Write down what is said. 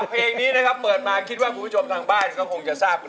เพลงนี้นะจ๊ะเปิดมาคิดว่าคงไม่จบทางบ้าน